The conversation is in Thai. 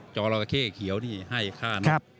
จอวางเราเป็นแข่เขียวให้คร่าพ